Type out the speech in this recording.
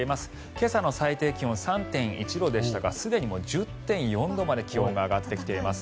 今朝の最低気温３．１度でしたがすでに１０．４度まで気温が上がってきています。